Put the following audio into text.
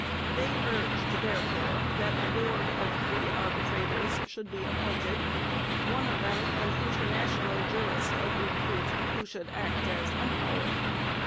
They urged, therefore, that a board of three arbitrators should be appointed, one of them an international jurist of repute who should act as umpire.